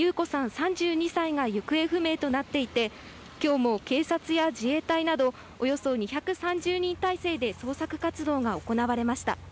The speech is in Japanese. ３２歳が行方不明となっていて、きょうも警察や自衛隊など、およそ２３０人態勢で捜索活動が行われました。